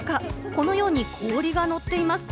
このように氷がのっています。